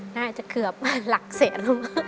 น่าจะเกือบหลักเศษแล้ว